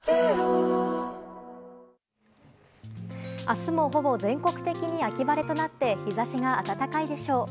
明日も、ほぼ全国的に秋晴れとなって日差しが暖かいでしょう。